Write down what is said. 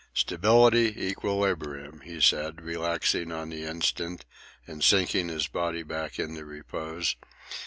"Stability, equilibrium," he said, relaxing on the instant and sinking his body back into repose.